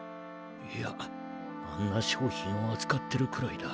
いやあんな商品をあつかってるくらいだ。